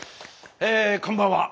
えこんばんは。